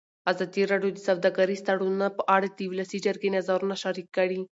ازادي راډیو د سوداګریز تړونونه په اړه د ولسي جرګې نظرونه شریک کړي.